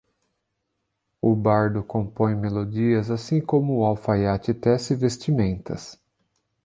O bardo compõe melodias assim como o alfaiate tece vestimentas